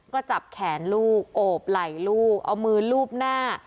ก็จับแขนลูกโอบไหล่ลูกเอามือลูบหน้า